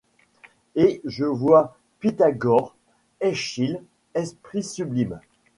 Et je vois Pythagore, Eschyle, esprits sublimes